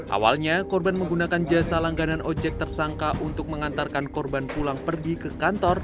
awalnya korban menggunakan jasa langganan ojek tersangka untuk mengantarkan korban pulang pergi ke kantor